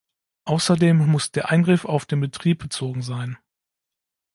Außerdem muss der Eingriff auf den Betrieb bezogen sein.